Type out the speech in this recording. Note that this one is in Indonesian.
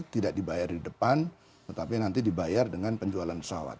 tidak dibayar di depan tetapi nanti dibayar dengan penjualan pesawat